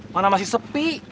mana masih sepi